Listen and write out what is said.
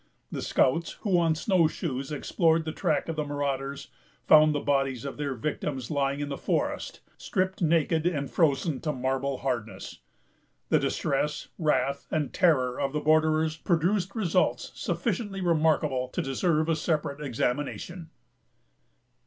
The scouts, who on snowshoes explored the track of the marauders, found the bodies of their victims lying in the forest, stripped naked, and frozen to marble hardness. The distress, wrath, and terror of the borderers produced results sufficiently remarkable to deserve a separate examination.